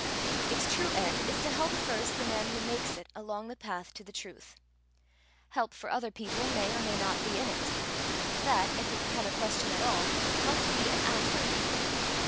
Its true end is to help first the man who makes it along the path to the truth: help for other people may or may not be in it; that, if it become a question at all, must be an after one.